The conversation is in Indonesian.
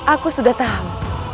aku sudah tahu